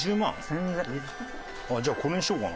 じゃあこれにしようかな。